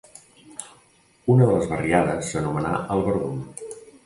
Una de les barriades s'anomenà el Verdum.